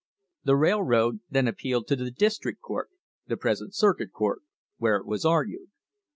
The railroad then appealed to the Dis trict Court (the present Circuit Court), where it was argued.